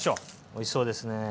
おいしそうですねぇ。